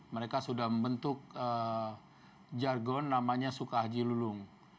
mereka sudah membentuk jargon namanya suka haji lulung